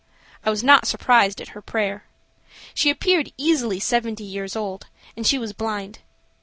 I was not surprised at her prayer. She appeared easily seventy years old, and she was blind.